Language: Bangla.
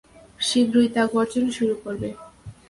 শীঘ্রই তা গর্জন শুরু করবে।